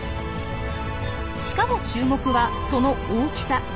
しかも注目はその大きさ。